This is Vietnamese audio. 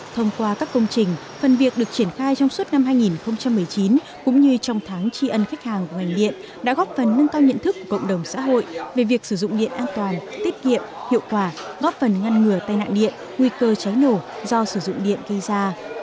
thông qua các công trình phần việc được triển khai trong suốt năm hai nghìn một mươi chín cũng như trong tháng tri ân khách hàng của ngành điện đã góp phần nâng cao nhận thức của cộng đồng xã hội về việc sử dụng điện an toàn tiết kiệm hiệu quả góp phần ngăn ngừa tai nạn điện nguy cơ cháy nổ do sử dụng điện gây ra